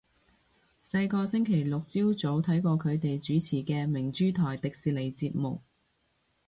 細個星期六朝早睇過佢哋主持嘅明珠台迪士尼節目